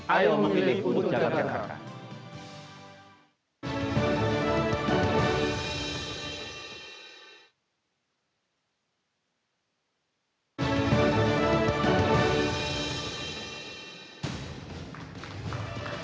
ayo memilih untuk jakarta